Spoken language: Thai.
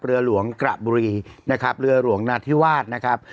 เรือหลวงกระบุรีนะครับเรือหลวงนาธิวาสนะครับ